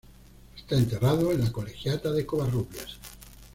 Está enterrado en la colegiata de Covarrubias.